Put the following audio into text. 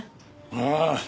ああ。